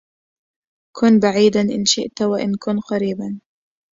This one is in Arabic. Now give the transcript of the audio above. كن بعيدا إن شئت أو كن قريبا